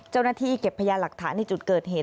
เจ้าหน้าที่เก็บพยานหลักฐานในจุดเกิดเหตุ